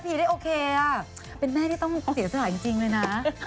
เป็นแม่ที่ต้องเสียสลายจริงเลยนะ